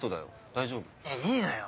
大丈夫？いいのよ